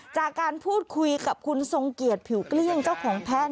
จากการพูดคุยกับคุณทรงเกียจผิวเกลี้ยงเจ้าของแพะ